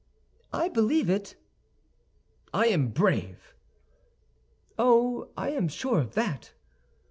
"I believe it." "I am brave." "Oh, I am sure of that!"